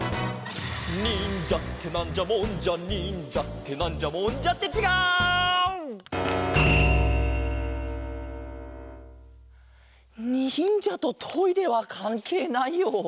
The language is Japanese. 「にんじゃってなんじゃもんじゃにんじゃってなんじゃもんじゃ」ってちがう！にんじゃとトイレはかんけいないよ。